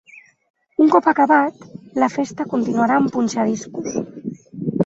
Un cop acabat, la festa continuarà amb punxa-discos.